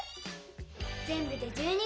ぜんぶで１２